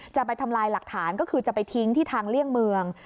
จะไปทำลายหลักฐานก็คือจะไปทิ้งที่ทางเลี่ยงเมือง